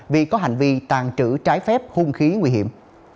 vì có hành vi tàn trữ trái phép hung khí nguy hiểm